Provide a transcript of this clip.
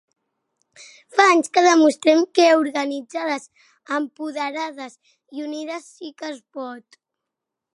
Fa anys que demostrem que organitzades, empoderades i unides, sí que es pot!